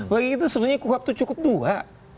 bagi kita sebenarnya waktu cukup dua